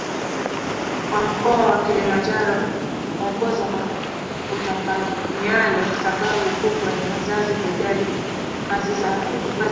wa mkoa wa Kilimanjaro huongoza kwa utapiamlo Sababu kubwa ni wazazi kujali kazi kuliko